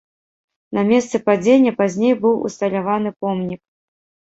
На месцы падзення пазней быў усталяваны помнік.